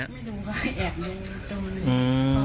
ไม่ดูค่ะแอบดูเติมดู